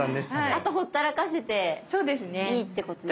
あとほったらかしていいってことですか？